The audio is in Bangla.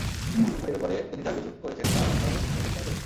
আর এ ব্যাপারে তিনি যা কিছু করেছেন তা আল্লাহর নির্দেশক্রমেই করেছেন।